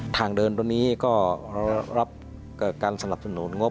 ทางเดินตรงนี้ก็เรารับการสนับสนุนงบ